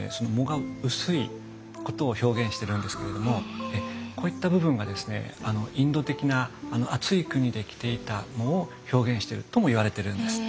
裳が薄いことを表現してるんですけれどもこういった部分がですねインド的な暑い国で着ていた裳を表現しているともいわれているんです。